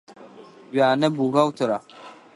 Уянэ бухгалтера?